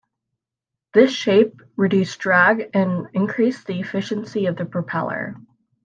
This shape reduced drag and increased the efficiency of the propeller.